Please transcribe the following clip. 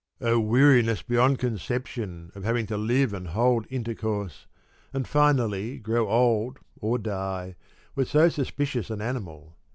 Oh, weariness beyond conception of having to live and hold intercourse, and finally grow old or die, with so suspicious an animal